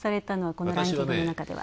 このランキングの中では？